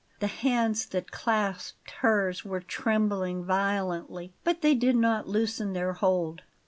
The hands that clasped hers were trembling violently; but they did not loosen their hold.